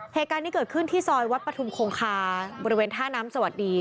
เหตุการณ์นี้เกิดขึ้นที่ซอยวัดปฐุมคงคาบริเวณท่าน้ำสวัสดี